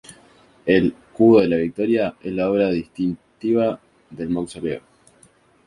El "Cubo de la Victoria" es la obra distintiva del Mausoleo.